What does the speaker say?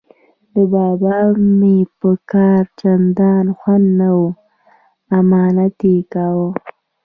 د بابا مې په کار چندان خوند نه و، امامت یې کاوه.